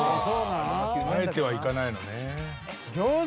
あえてはいかないのね。